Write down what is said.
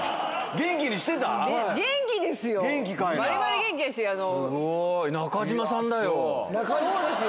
元気ですよ。